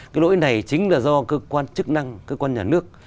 cái lỗi này chính là do cơ quan chức năng cơ quan nhà nước